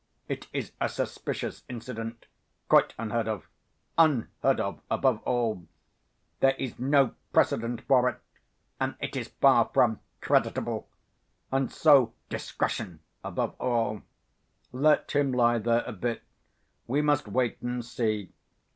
It is a suspicious incident, quite unheard of. Unheard of, above all; there is no precedent for it, and it is far from creditable.... And so discretion above all.... Let him lie there a bit. We must wait and see...."